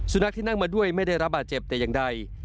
สุนัขที่นั่งมาด้วยไม่ได้รับบาดเจ็บแต่อย่างใด